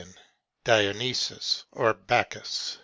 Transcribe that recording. —DIONYSUS, OR BACCHUS.